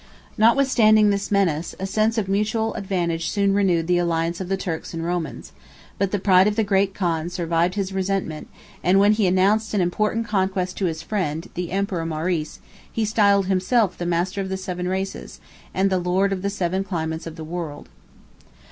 Notwithstanding this menace, a sense of mutual advantage soon renewed the alliance of the Turks and Romans: but the pride of the great khan survived his resentment; and when he announced an important conquest to his friend the emperor Maurice, he styled himself the master of the seven races, and the lord of the seven climates of the world.